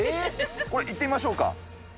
行ってみましょうか。